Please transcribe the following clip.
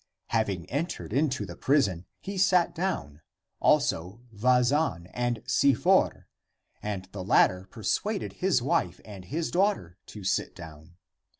Having entered into the prison, he sat down, also Vazan and Si for, and the latter per suaded his wife and his daughter to sit down.